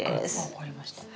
分かりました。